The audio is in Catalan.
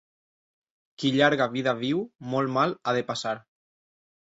Qui llarga vida viu, molt mal ha de passar.